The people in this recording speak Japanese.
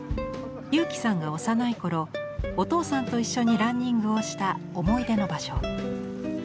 佑基さんが幼い頃お父さんと一緒にランニングをした思い出の場所。